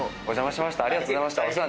お邪魔しました。